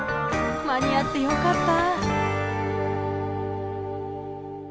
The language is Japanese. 間に合ってよかった。